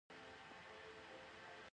د کاناډا ډالر د دوی پولي واحد دی.